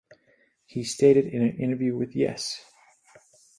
He stated in an interview with Yes!